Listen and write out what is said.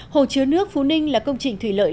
hồ chứa nước phú ninh là công trình thủy lợi